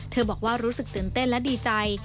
บอกว่ารู้สึกตื่นเต้นและดีใจ